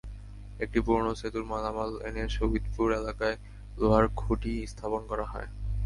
একটি পুরোনো সেতুর মালামাল এনে সুবিদপুর এলাকায় লোহার খুঁটি স্থাপন করা হয়।